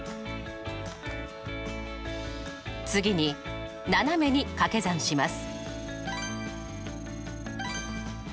次に斜めに掛け算します。